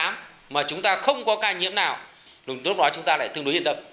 mà chúng ta không có ca nhiễm nào tốt đó chúng ta lại tương đối yên tâm